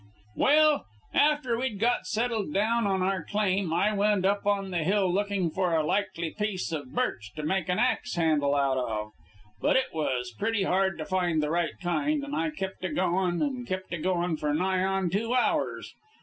"Well, after we'd got settled down on our claim, I went up on the hill lookin' for a likely piece of birch to make an ax handle out of. But it was pretty hard to find the right kind, and I kept a goin' and kept a goin' for nigh on two hours.